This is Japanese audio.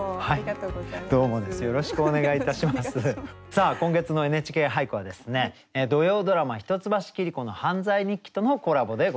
さあ今月の「ＮＨＫ俳句」は土曜ドラマ「一橋桐子の犯罪日記」とのコラボでございます。